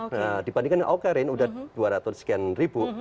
nah dibandingkan awkarin sudah dua ratus sekian ribu